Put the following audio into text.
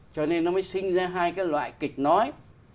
cho nên nó mới sinh ra hai cái loại kịch nói